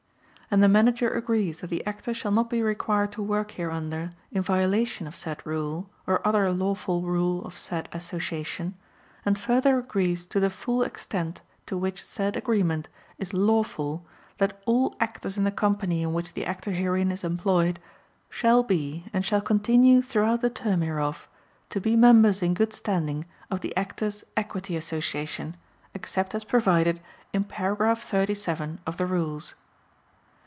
And the Manager agrees that the Actor shall not be required to work hereunder in violation of said rule or other lawful rule of said Association, and further agrees to the full extent to which said agreement is lawful that all actors in the company in which the Actor herein is employed, shall be and shall continue throughout the term hereof to be members in good standing of the Actors' Equity Association, except as provided in paragraph 37 of the Rules.